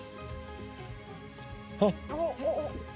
あっ！